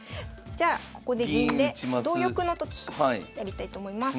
じゃあここで銀で同玉のときやりたいと思います。